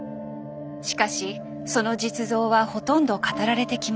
しかしその実像はほとんど語られてきませんでした。